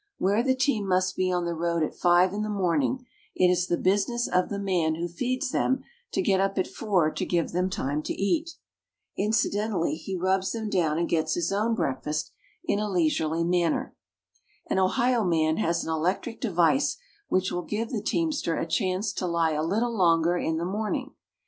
Where the team must be on the road at five in the morning it is the business of the man who feeds them to get up at four to give them time to eat. Incidentally he rubs them down and gets his own breakfast in a leisurely manner. An Ohio man has an electric device which will give the teamster a chance to lie a little longer in the morning.